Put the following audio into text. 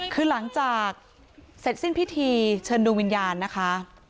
คือหลังจากเสร็จสิ้นพิธีเชิญดวงวิญญาณนะคะ